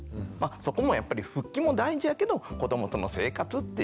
そこもやっぱり復帰も大事やけど子どもとの生活っていうことね